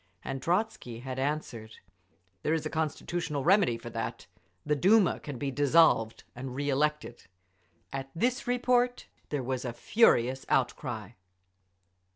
And Trotzky had answered, "There is a constitutional remedy for that. The Duma can be dissolved and re elected…." At this report there was a furious outcry.